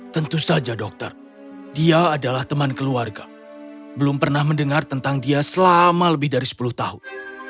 tentu saja dokter dia adalah teman keluarga belum pernah mendengar tentang dia selama lebih dari sepuluh tahun